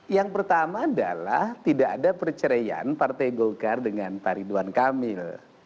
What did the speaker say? yang pertama adalah tidak ada perceraian partai golkar dengan pak ridwan kamil